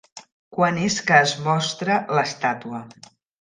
quan és que es mostra l'Estàtua